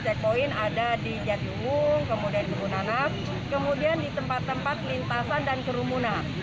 checkpoint ada di jatjungung kemudian di gunanap kemudian di tempat tempat lintasan dan curumuna